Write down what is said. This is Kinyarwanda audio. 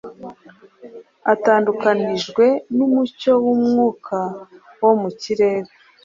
atandukanijwe n’umucyo n’umwuka wo mu kirere,